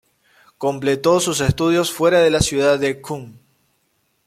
Completó sus estudios fuera de la ciudad de Qom.